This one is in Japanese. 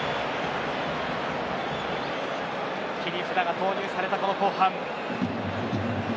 切り札が投入されたこの後半。